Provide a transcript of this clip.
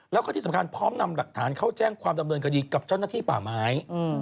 แล้วก็ที่สำคัญพร้อมนำหลักฐานเข้าแจ้งความดำเนินคดีกับเจ้าหน้าที่ป่าไม้